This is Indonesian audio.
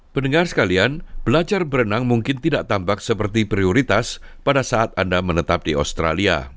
pendengar sekalian belajar berenang mungkin tidak tampak seperti prioritas pada saat anda menetap di australia